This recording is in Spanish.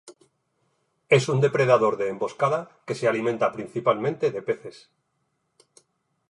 Es un depredador de emboscada que se alimenta principalmente de peces.